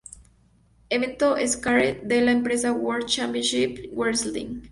Evento Starrcade, de la empresa "World Championship Wrestling".